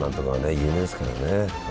有名ですからね。